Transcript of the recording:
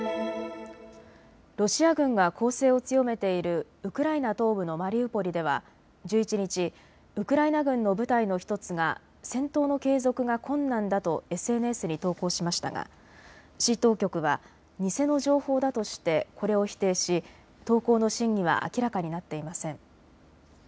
ロシア軍が攻勢を強めているウクライナ東部のマリウポリでは１１日、ウクライナ軍の部隊の１つが戦闘の継続が困難だとＳＮＳに投稿しましたが市当局は偽の情報だとしてこれを否定し投稿の真偽は明らかになっていません。